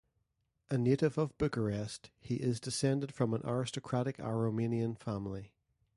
A native of Bucharest, he is descended from an aristocratic Aromanian family.